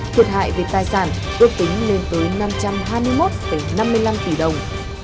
thiệt hại về tài sản ước tính lên tới năm trăm hai mươi một năm mươi năm tỷ đồng